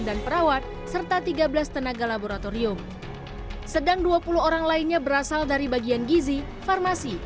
dan perawat serta tiga belas tenaga laboratorium sedang dua puluh orang lainnya berasal dari bagian gizi farmasi